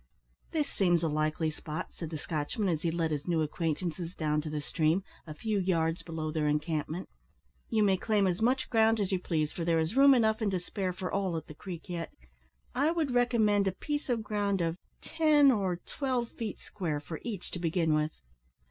"This seems a likely spot," said the Scotchman, as he led his new acquaintances down to the stream, a few yards below their encampment. "You may claim as much ground as you please, for there is room enough and to spare for all at the Creek yet. I would recommend a piece of ground of ten or twelve feet square for each to begin with."